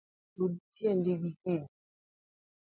Rudh tiendi gi kidi